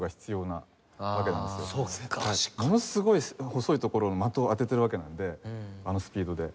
ものすごい細いところの的を当ててるわけなんであのスピードで。